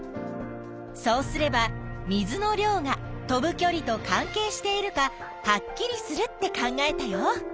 そうすれば「水の量」が飛ぶきょりと関係しているかはっきりするって考えたよ。